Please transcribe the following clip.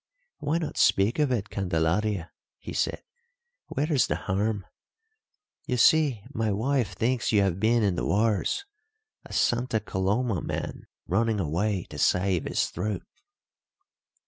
"Why not speak of it, Candelaria?" he said. "Where is the harm? You see, my wife thinks you have been in the wars a Santa Coloma man running away to save his throat."